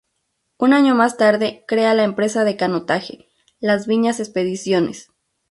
Un año más tarde crea la empresa de canotaje "Las Viñas Expediciones".